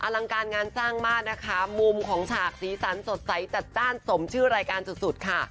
ลังการงานสร้างมากนะคะมุมของฉากสีสันสดใสจัดจ้านสมชื่อรายการสุดค่ะ